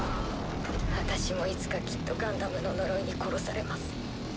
私もいつかきっとガンダムの呪いに殺されます。